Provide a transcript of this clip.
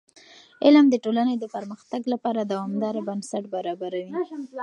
علم د ټولنې د پرمختګ لپاره دوامداره بنسټ برابروي.